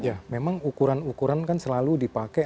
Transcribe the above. ya memang ukuran ukuran kan selalu dipakai